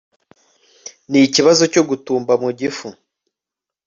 nikibazo cyo gutumba mu gifu